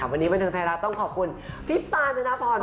วันนี้บันทึงไทยรัฐต้องขอบคุณพี่ปานเจนาพรมากเลยค่ะ